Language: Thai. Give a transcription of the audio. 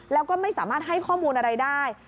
แล้วก็ไม่สามารถให้ข้อมูลอะไรได้